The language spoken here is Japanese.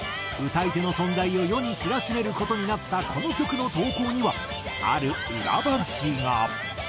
歌い手の存在を世に知らしめる事になったこの曲の投稿にはある裏話が。